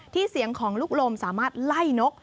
เสียงของลูกลมสามารถไล่นก